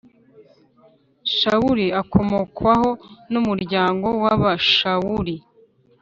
Shawuli akomokwaho n’umuryango w’Abashawuli